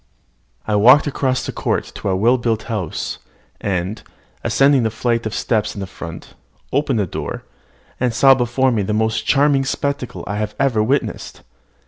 I walked across the court to a well built house, and, ascending the flight of steps in front, opened the door, and saw before me the most charming spectacle I had ever witnessed.